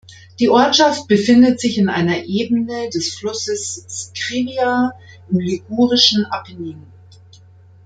Die Ortschaft befindet sich in einer Ebene des Flusses Scrivia im Ligurischen Apennin.